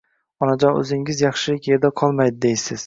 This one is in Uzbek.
Onajon o‘zingiz yaxshilik yerda qolmaydi deysiz.